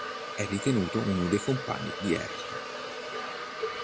È ritenuto uno dei compagni di Eracle.